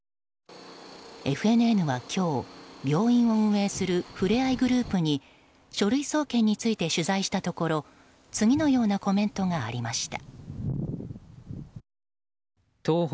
ＦＮＮは今日、病院を運営するふれあいグループに書類送検について取材したところ次のようなコメントがありました。